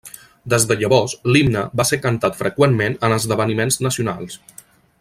Des de llavors l'himne va ser cantat freqüentment en esdeveniments nacionals.